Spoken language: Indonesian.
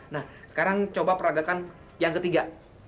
nah sekarang coba peragakan yang ketiga